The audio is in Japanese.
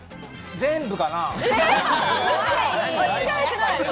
全部かな。